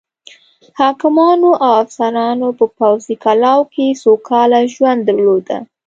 حاکمانو او افسرانو په پوځي کلاوو کې سوکاله ژوند درلوده.